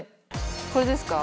これですか？